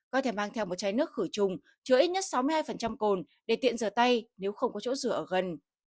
có thể mang theo một chai nước khử trùng chứa ít nhất sáu mươi hai cồn để tiện rửa tay nếu không có chỗ rửa ở gần